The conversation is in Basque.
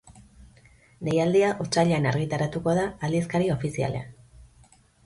Deialdia otsailean argitaratuko da aldizkari ofizialean.